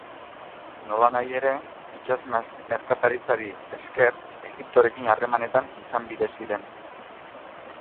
Nolanahi ere, itsas merkataritzari esker Egiptorekin harremanetan izan bide ziren.